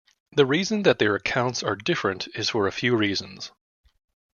The reason that their accounts are different is for a few reasons.